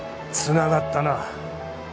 つながったな。